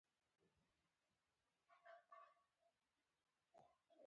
افغانستان يو کرنيز هېواد دی.